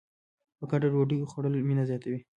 په ګډه ډوډۍ خوړل مینه زیاتوي.